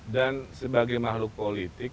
dan sebagai mahluk politik